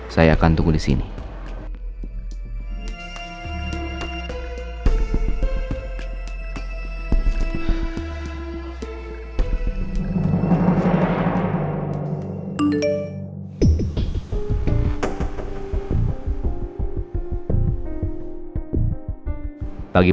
saya akan tunggu di sini